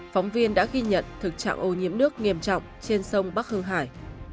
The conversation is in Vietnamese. phóng viên đã ghi nhận thực trạng ô nhiễm nước nghiêm trọng trên sông bắc hương hải